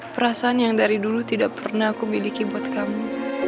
perasaan yang dari dulu tidak pernah aku miliki buat kamu